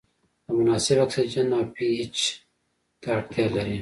د مناسب اکسیجن او پي اچ ته اړتیا لري.